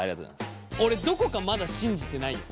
俺どこかまだ信じてないよ。